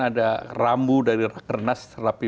ada rambu dari raker nas rapi